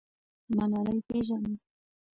ملالۍ پیژنه.